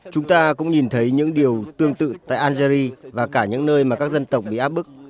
chúng ta cũng nhìn thấy những điều tương tự tại algeria và cả những nơi mà các dân tộc bị áp bức